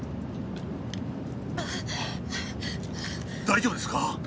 大丈夫ですか？